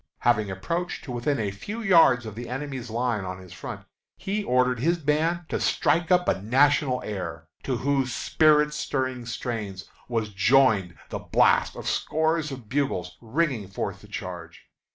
Having approached to within a few yards of the enemy's lines on his front, he ordered his band to strike up a national air, to whose spirit stirring strains was joined the blast of scores of bugles ringing forth the charge.